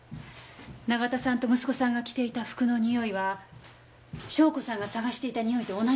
永田さんと息子さんが着ていた服のにおいは笙子さんが捜していたにおいと同じなのよね。